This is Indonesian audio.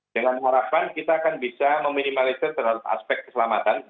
dengan mengharapkan kita akan bisa meminimalisir aspek keselamatan